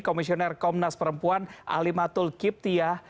komisioner komnas perempuan alimatul kiptiah